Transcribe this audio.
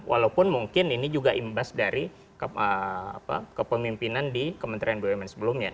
walaupun mungkin ini juga imbas dari kepemimpinan di kementerian bumn sebelumnya